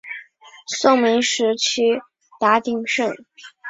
宋明时期达鼎盛。